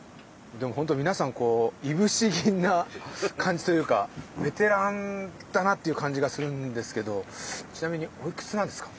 でもほんと皆さんこういぶし銀な感じというかベテランだなっていう感じがするんですけどちなみにおいくつなんですか。